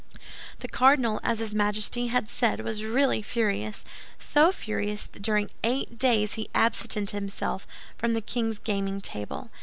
The cardinal, as his Majesty had said, was really furious, so furious that during eight days he absented himself from the king's gaming table.